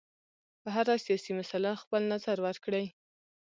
په هره سیاسي مسله خپل نظر ورکړي.